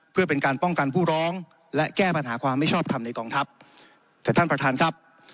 เพื่อเป็นการป้องกันผู้ร้องและแก้ปัญหาความไม่ชอบทำในกองทัพแต่ท่านประธานครับ